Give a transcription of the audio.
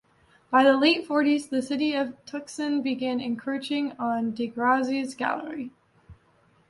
By the late forties, the city of Tucson began encroaching on DeGrazia's gallery.